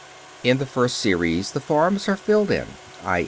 In the first series the forms are filled in, _i.